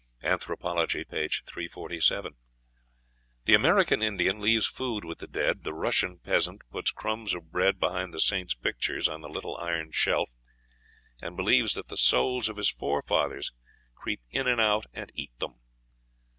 ("Anthropology," p. 347.) The American Indian leaves food with the dead; the Russian peasant puts crumbs of bread behind the saints' pictures on the little iron shelf, and believes that the souls of his forefathers creep in and out and eat them.